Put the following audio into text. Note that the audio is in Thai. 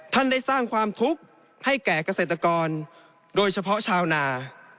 ท่านได้สร้างความทุกข์ให้แก่เกษตรกรโดยเฉพาะชาวนา